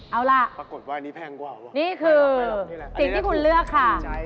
เอาล่ะนี่คือสิ่งที่คุณเลือกค่ะ